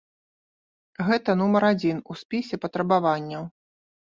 Гэта нумар адзін у спісе патрабаванняў.